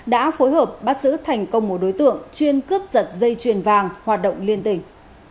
đã phối hợp bắt giữ thành công một đối tượng chuyên cướp giật dây chuyền vàng hoạt động liên tỉnh